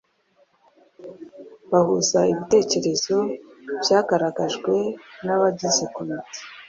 bagahuza ibitekerezo byagaragajwe n’abagize Komite